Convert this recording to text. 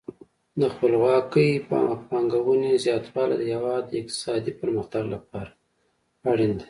د خپلواکې پانګونې زیاتوالی د هیواد د اقتصادي پرمختګ لپاره اړین دی.